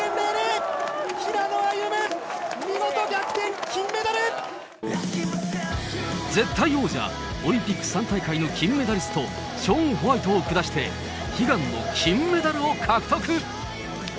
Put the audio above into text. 平野歩夢、見事、絶対王者、オリンピック３大会の金メダリスト、ショーン・ホワイトを下して、悲願の金メダルを獲得。